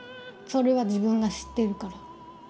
それは自分が知ってるから。